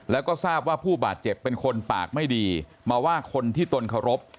แล้วก็ทราบว่าผู้บาดเจ็บเป็นคนปากไม่ดีมาว่าคนที่ตนเคารพ